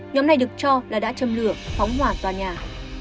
nhóm này được cho là đã châm lửa phóng hỏa tòa nhà